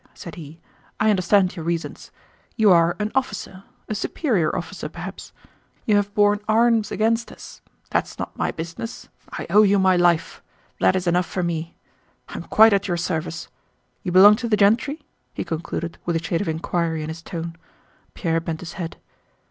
said he. "I understand your reasons. You are an officer... a superior officer perhaps. You have borne arms against us. That's not my business. I owe you my life. That is enough for me. I am quite at your service. You belong to the gentry?" he concluded with a shade of inquiry in his tone. Pierre bent his head.